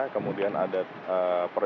kemudian ada teman saya